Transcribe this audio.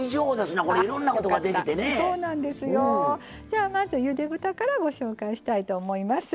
じゃあまずゆで豚からご紹介したいと思います。